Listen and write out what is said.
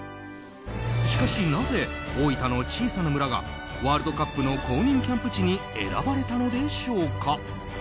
しかし、なぜ大分の小さな村がワールドカップの公認キャンプ地に選ばれたのでしょうか。